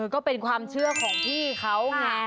ก็เป็นความเชื่อของพี่เขาไง